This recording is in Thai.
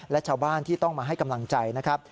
และชาวบ้านที่ต้องมาให้กำลังใจนะครับ